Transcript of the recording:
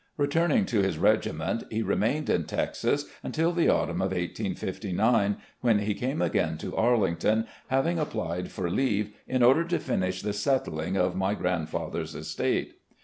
Returning to his regiment, he remained in Texas until the autumn of 'S9, when he came again to Arlington, having applied for leave in order to finish the settling of my grand father's estate.